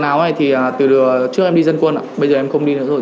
trước đây thì từ trước em đi dân quân bây giờ em không đi nữa rồi